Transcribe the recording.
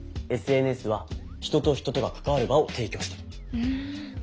ＳＮＳは人と人とが関わる場を提供している。